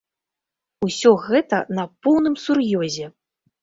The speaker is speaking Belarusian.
Усё гэта на поўным сур'ёзе!